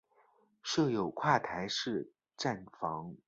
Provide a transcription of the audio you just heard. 设有跨站式站房。